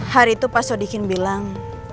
hari itu pak sodikin bilang